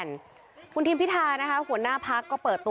นายยกหน่อย